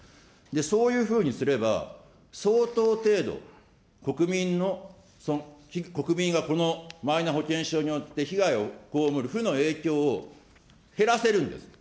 そういうふうにすれば、相当程度、国民の、国民がこのマイナ保険証によって、被害を被る負の影響を減らせるんです。